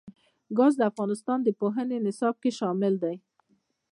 ګاز د افغانستان د پوهنې نصاب کې شامل دي.